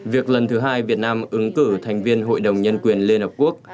việc lần thứ hai việt nam ứng cử thành viên hội đồng nhân quyền liên hợp quốc